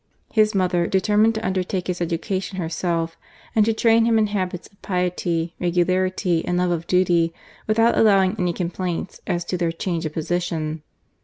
His mother determined to undertake his education herself and to train him in habits of piety, regularity, and love of duty, without allowing any complaints as to their change of position.